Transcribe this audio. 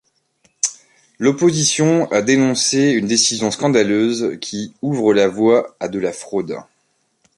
L'opposition a dénoncé une décision scandaleuse qui ouvre la voie à de la fraude.